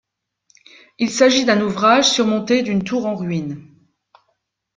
Il s'agit d'un ouvrage surmonté d'une tour en ruine.